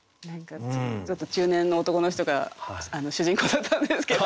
ちょっと中年の男の人が主人公だったんですけど。